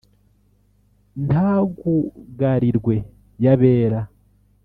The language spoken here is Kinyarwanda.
Ntagugarirwe yabera.